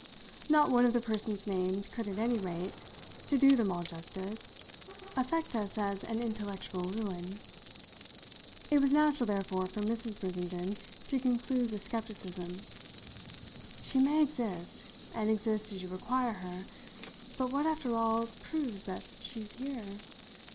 Not one of the persons named could, at any rate to do them all justice affect us as an intellectual ruin. It was natural therefore for Mrs. Brissenden to conclude with scepticism. "She may exist and exist as you require her; but what, after all, proves that she's here?